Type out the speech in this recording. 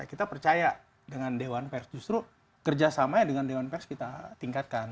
kita percaya dengan dewan pers justru kerjasamanya dengan dewan pers kita tingkatkan